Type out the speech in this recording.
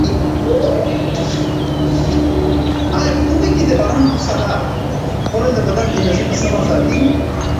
آیا په دوبي کې د بادرنګو سالاډ خوړل د بدن انرژي په سمه ساتي؟